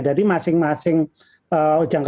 jadi masing masing jangka waktu karantina itu